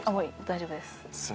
大丈夫です。